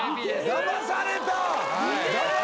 だまされた！